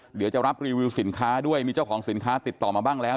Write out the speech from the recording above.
เดี๋ยวจะรับรีวิวสินค้าด้วยมีเจ้าของสินค้าติดต่อมาบ้างแล้ว